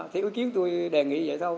thì ý kiến tôi đề nghị vậy thôi